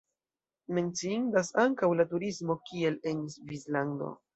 Menciindas ankaŭ la turismo, kiel en Svislando.